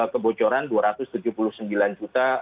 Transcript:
kebocoran dua ratus tujuh puluh sembilan juta